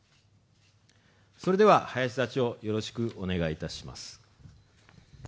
それでは、林座長、よろしくお願いいたします。